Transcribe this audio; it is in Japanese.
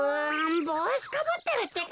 ぼうしかぶってるってか。